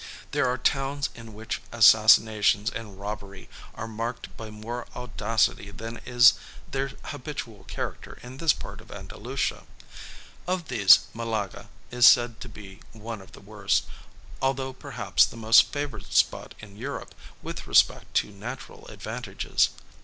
There are towns in which assassination and robbery are marked by more audacity than is their habitual character in this part of Andalucia. Of these, Malaga is said to be one of the worst, although perhaps the most favoured spot in Europe, with respect to natural advantages.